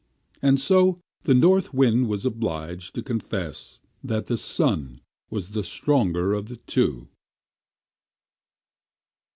And so the North Wind was obliged to confess that the Sun was the stronger of the two.